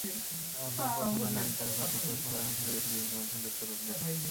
আপনার পছন্দের নারী তারকা কে—প্রশ্ন করা হয়েছিল দেশের বিভিন্ন অঞ্চলের তরুণদের।